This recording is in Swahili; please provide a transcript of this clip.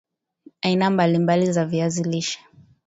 aina mbali mbali za viazi lishe